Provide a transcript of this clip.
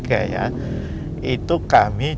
kita harus berpikir bahwa petika ingin chick